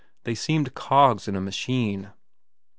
They seemed cogs in a machine.